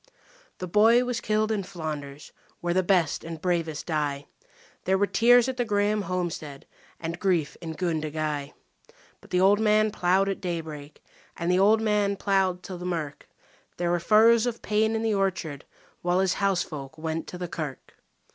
The boy was killed in Flanders, where the best and bravest die. There were tears at the Grahame homestead and grief in Gundagai; But the old man ploughed at daybreak and the old man ploughed till the mirk There were furrows of pain in the orchard while his housefolk went to the kirk.